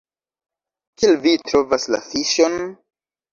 Kiel vi trovas la fiŝon?